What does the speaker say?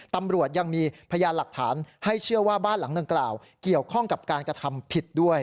ตำรวจยังมีพยานหลักฐานให้เชื่อว่าบ้านหลังดังกล่าวเกี่ยวข้องกับการกระทำผิดด้วย